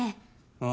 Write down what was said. ああ